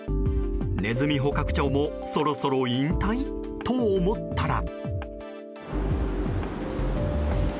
ネズミ捕獲長もそろそろ引退？と思ったら。